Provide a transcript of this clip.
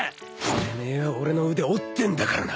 てめえは俺の腕折ってんだからな。